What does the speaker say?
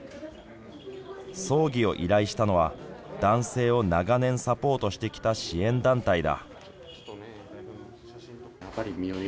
葬儀を依頼したのは男性を長年サポートしてきた支援団体だ。